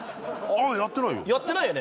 ああやってないよ